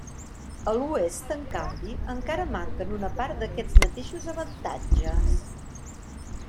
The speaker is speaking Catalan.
A l'Oest, en canvi, encara manquen una part d'aquests mateixos avantatges.